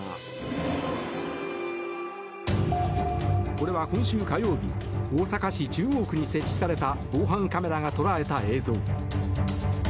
これは、今週火曜日大阪市中央区に設置された防犯カメラが捉えた映像。